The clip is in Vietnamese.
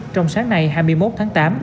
trong sáng nay hai mươi một tháng tám